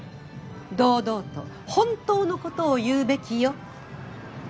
堂々と本当のことを言うべきよ。